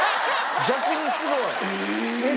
逆にすごい！ええ！？